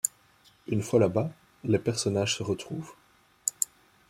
Une fois là-bas, les personnages se retrouvent.